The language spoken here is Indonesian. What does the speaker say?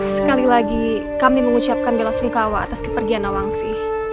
sekali lagi kami mengucapkan belasungkawa atas kepergian nawansi